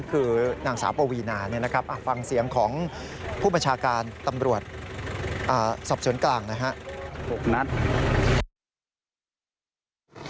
คือนางสาวปวีนาฟังเสียงของผู้บัชการตำรวจสอบสวนกลางนะครับ